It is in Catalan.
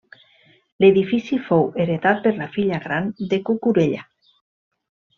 L'edifici fou heretat per la filla gran de Cucurella.